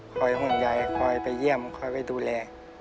ห่วงใยคอยไปเยี่ยมคอยไปดูแล